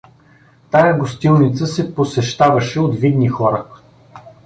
Тая гостилница се посещаваше от видни хора.